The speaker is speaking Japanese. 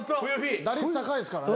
・打率高いですからね。